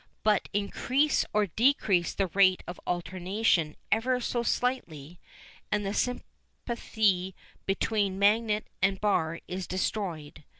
But increase or decrease the rate of alternation ever so slightly, and that sympathy between magnet and bar is destroyed.